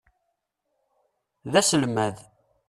D aselmad.